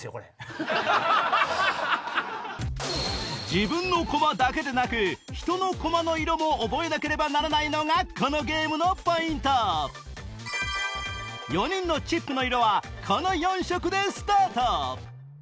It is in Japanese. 自分のコマだけでなく人のコマの色も覚えなければならないのがこのゲームのポイント４人のチップの色はこの４色でスタート